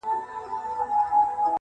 واعضِه تا مطرب ته چيري غوږ نېولی نه دی,